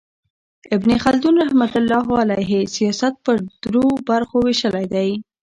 ابن خلدون رحمة الله علیه سیاست پر درو برخو ویشلی دئ.